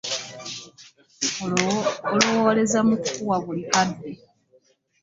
Olowooleza mu kukuwa buli kadde!